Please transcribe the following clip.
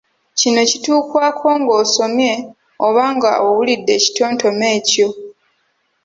Kino kituukwako ng’osomye oba nga owulidde ekitontome ekyo.